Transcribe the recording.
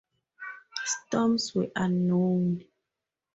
Storms were unknown.